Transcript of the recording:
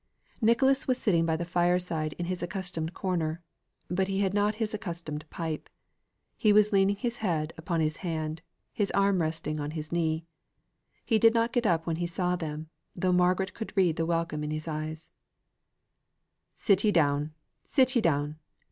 Nicholas was sitting by the fire side in his accustomed corner; but he had not his accustomed pipe. He was leaning his head upon his hand, his arm resting on his knee. He did not get up when he saw them, though Margaret could read the welcome in his eye. "Sit ye down, sit ye down.